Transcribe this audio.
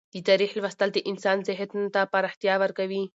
د تاریخ لوستل د انسان ذهن ته پراختیا ورکوي.